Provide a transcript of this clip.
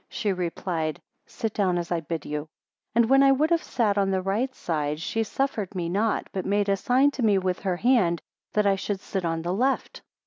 She replied, Sit down as I bid you. 13 And when I would have sat on the right side, she suffered me not, but made a sign to me with her hand, that I should sit on the left.